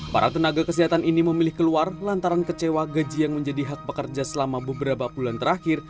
para tenaga kesehatan ini memilih keluar lantaran kecewa gaji yang menjadi hak pekerja selama beberapa bulan terakhir